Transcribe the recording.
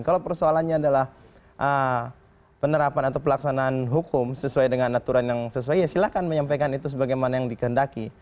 kalau persoalannya adalah penerapan atau pelaksanaan hukum sesuai dengan aturan yang sesuai ya silahkan menyampaikan itu sebagaimana yang dikendaki